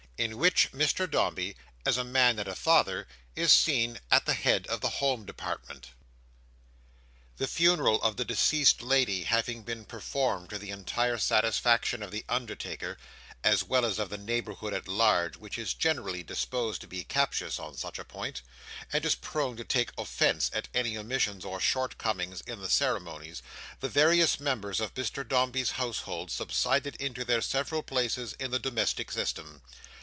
In which Mr Dombey, as a Man and a Father, is seen at the Head of the Home Department The funeral of the deceased lady having been "performed" to the entire satisfaction of the undertaker, as well as of the neighbourhood at large, which is generally disposed to be captious on such a point, and is prone to take offence at any omissions or short comings in the ceremonies, the various members of Mr Dombey's household subsided into their several places in the domestic system.